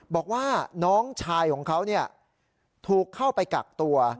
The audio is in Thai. บอกว่าน้องชายของเขาถูกเข้าไปกักตัว